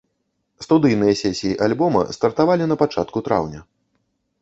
Студыйныя сесіі альбома стартавалі на пачатку траўня.